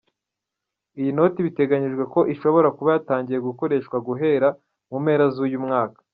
Iyi noti biteganijwe ko ishobora kuba yatangiye gukoreshwa guhera mu mpera z’uyu mwaka.